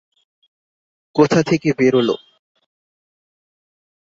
কোথা থেকে বেরোল?